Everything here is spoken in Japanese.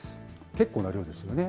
結構な量ですよね。